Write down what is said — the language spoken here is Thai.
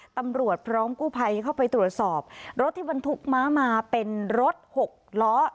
ตำรวจพร้อมกู้ภัยเข้าไปตรวจสอบรถที่บรรทุกม้ามาเป็นรถหกล้อ